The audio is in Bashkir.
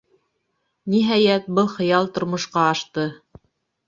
Ниһайәт, был хыял тормошҡа ашты.